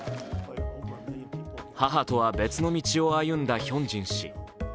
母とは、別の道を歩んだヒョンジン氏。